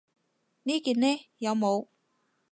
呢件呢？有帽